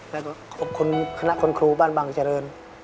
แล้วก็ขอบคุณคณะคุณครูบ้านบังเจริญ